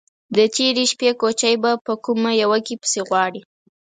_د تېرې شپې کوچی به په کومه يوه کې پسې غواړې؟